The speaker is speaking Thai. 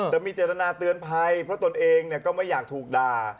แต่มีเจตนาเตือนภัยเพราะตนเองก็ไม่อยากถูกด่า